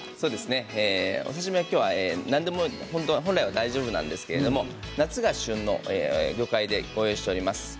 お刺身は今日は何でも本来は大丈夫なんですけれども夏が旬の魚介でご用意しております。